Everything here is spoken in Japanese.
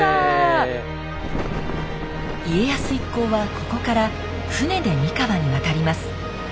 家康一行はここから船で三河に渡ります。